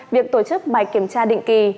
việc tổ chức bài kiểm tra định kỳ